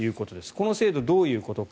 この制度、どういうことか。